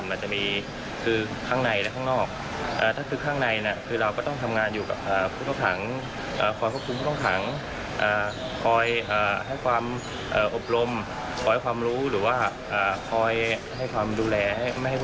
ไม่ให้ผู้ต้องข่าวเงินทำผิดครับ